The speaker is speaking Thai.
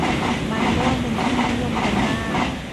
มันม่วงเป็นที่นิยมกันมาก